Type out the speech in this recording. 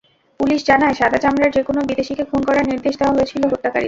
Police জানায়, সাদা চামড়ার যেকোনো বিদেশিকে খুন করার নির্দেশ দেওয়া হয়েছিল হত্যাকারীদের।